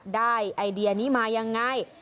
ไอเดียนี้มายังไง